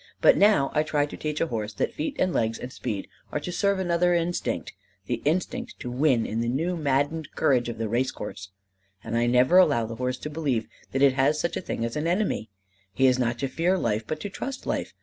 But now I try to teach a horse that feet and legs and speed are to serve another instinct the instinct to win in the new maddened courage of the race course. And I never allow the horse to believe that it has such a thing as an enemy. He is not to fear life, but to trust life.